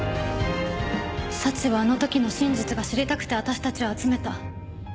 早智はあの時の真実が知りたくて私たちを集めた。